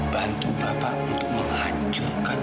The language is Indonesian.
bantu bapak untuk menghancurkan